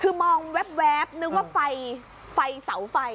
คือมองแว๊บนึกว่าไฟเสาไฟ